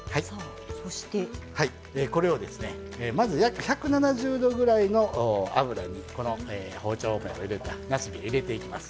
これを１７０度ぐらいの油に包丁目を入れたなすびを入れていきます。